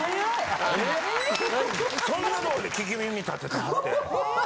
そんなとこで聞き耳立ててはって。